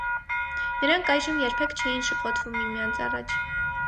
Նրանք այժմ երբեք չէին շփոթվում միմյանց առաջ.